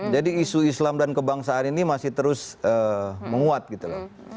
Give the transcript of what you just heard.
jadi isu islam dan kebangsaan ini masih terus menguat gitu loh